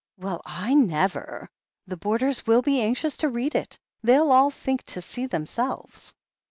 "Well, I never! The boarders will be anxious to read it — ^they'll all think to see them selves."